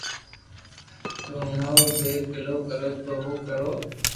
تو ھڻاٽو ني ڪاو ڪرو تو ھون ڪرو